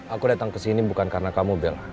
aku datang kesini bukan karena kamu bel